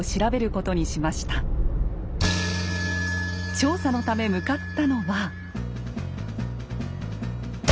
調査のため向かったのは。